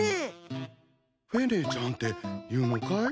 フェネちゃんっていうのかい？